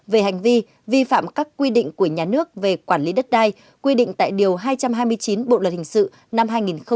về hành vi vi phạm các quy định của nhà nước về quản lý đất đai quy định tại điều hai trăm hai mươi chín bộ luật hình sự năm hai nghìn một mươi năm